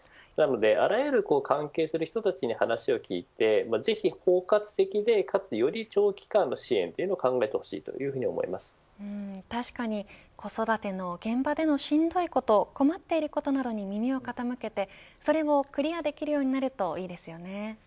あらゆる関係する人たちに話を聞いてぜひ包括的でかつより長期間の支援というのを考えて確かに、子育ての現場でのしんどいこと困っていることなどに耳を傾けてそれをクリアできるようになるといいですよね。